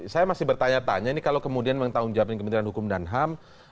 saya masih bertanya tanya ini kalau kemudian menanggung jawabin kementerian hukum dan ham